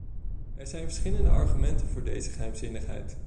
Er zijn verschillende argumenten voor deze geheimzinnigheid.